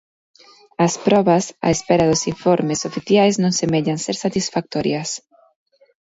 As probas, á espera dos informes oficiais, non semellan ser satisfactorias.